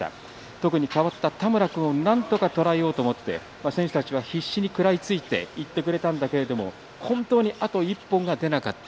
特に代わった田村君をなんとかとらえようと思って選手たちは必死に食らいついていってくれたんだけれども本当にあと１本が出なかった。